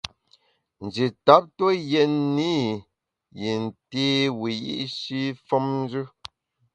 Nji tap tue yètne i yin té wiyi’shi femnjù.